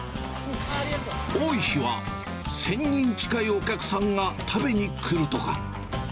多い日は、１０００人近いお客さんが食べに来るとか。